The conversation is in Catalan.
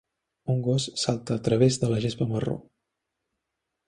Un gos salta a través de la gespa marró.